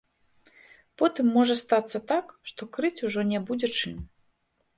Потым можа стацца так, што крыць ужо не будзе чым.